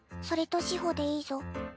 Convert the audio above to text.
それと志穂でいいぞ。